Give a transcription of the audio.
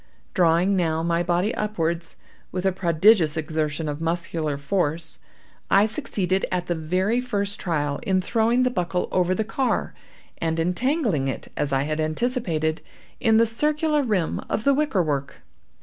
Drawing now my body upwards, with a prodigious exertion of muscular force, I succeeded, at the very first trial, in throwing the buckle over the car, and entangling it, as I had anticipated, in the circular rim of the wicker work.